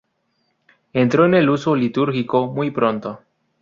Entró en el uso litúrgico muy pronto.